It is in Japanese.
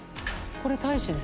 これ大使ですね？